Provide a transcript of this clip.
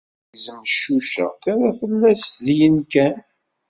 Tegzem ccuca, terra fell-as dyen kan.